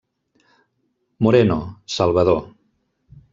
Moreno, Salvador.